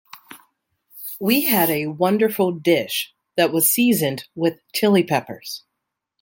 We had a wonderful dish that was seasoned with Chili Peppers.